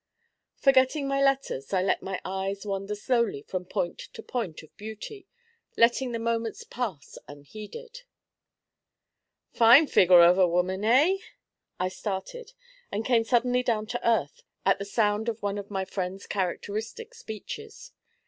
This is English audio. Forgetting my letters, I let my eyes wander slowly from point to point of beauty, letting the moments pass unheeded. 'Fine figure of a woman, eh?' I started, and came suddenly down to earth, at the sound of one of my friend's characteristic speeches.